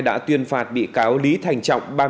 đã tuyên phạt bị cáo lý thành trọng